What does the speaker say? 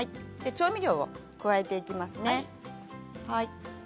調味料を加えていきますね。